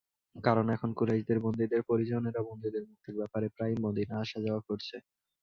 কারণ, এখন কুরাইশের বন্দীদের পরিজনেরা বন্দীদের মুক্তির ব্যাপারে প্রায়ই মদীনায় আসা যাওয়া করছে।